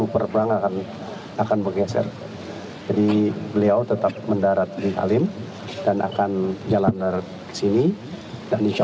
perbang akan bergeser jadi beliau tetap mendarat di kalim dan akan jalan darat ke sini dan insya